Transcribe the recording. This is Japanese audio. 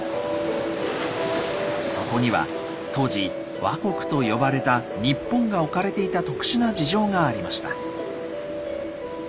そこには当時「倭国」と呼ばれた日本が置かれていた特殊な事情がありました。